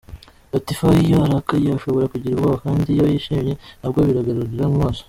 Latifah iyo arakaye ushobora kugira ubwoba kandi iyo yishimye nabwo bigaragarira buri wese.